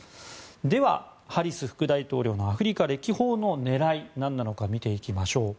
では、ハリス副大統領のアフリカ歴訪の狙いは何なのか見ていきましょう。